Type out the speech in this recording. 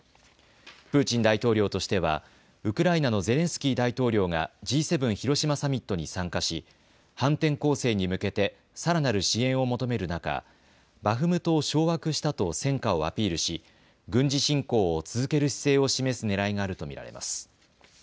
プーチン大統領としてはウクライナのゼレンスキー大統領がＧ７広島サミットに参加し反転攻勢に向けてさらなる支援を求める中、バフムトを掌握したと戦果をアピールし軍事侵攻を続ける姿勢を示すねらいがあると見られます。